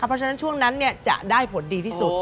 เพราะฉะนั้นช่วงนั้นจะได้ผลดีที่สุด